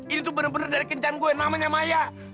ini tuh bener bener dari kencang gue namanya maya